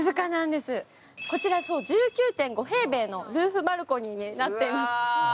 こちら１９．５平方メートルのルーフバルコニーになっています。